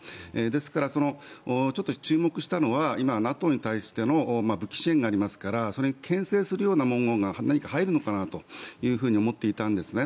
ですから、ちょっと注目したのは今、ＮＡＴＯに対しての武器支援がありますからけん制するような文言が何か入るのかなというふうに思っていたんですね。